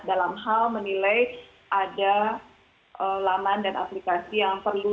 dalam hal menilai ada laman dan aplikasi yang perlu